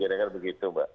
iya kira kira begitu mbak